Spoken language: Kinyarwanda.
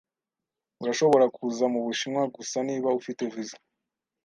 Urashobora kuza mubushinwa gusa niba ufite visa.